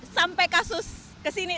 sampai kasus ke sini